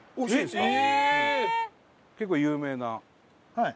はい。